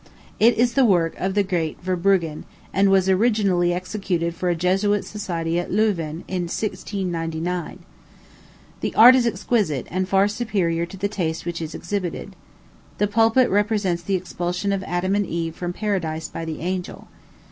It is the work of the great Verbruggen, and was originally executed for a Jesuit society at Louvain, in 1699. The art is exquisite, and far superior to the taste which is exhibited. The pulpit represents the expulsion of Adam and Eve from paradise by the angel.